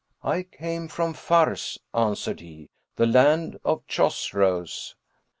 "I come from Fars," answered he, "the land of the Chosroλs."